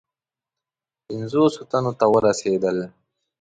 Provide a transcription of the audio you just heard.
پنجوسو تنو ته ورسېدل.